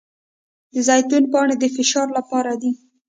د زیتون پاڼې د فشار لپاره دي.